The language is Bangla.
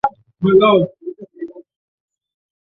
এই ভাবের প্রবলতার কিঞ্চিৎ উপশম হইলে পুণ্ডরীক সিংহাসনসম্মুখে উঠিলেন।